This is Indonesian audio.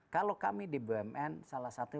kalau kami di bumn salah satu